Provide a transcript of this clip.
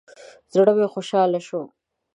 زړه مې خوشحاله شو.